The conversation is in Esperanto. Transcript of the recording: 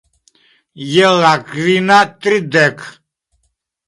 Je la kvina tridek.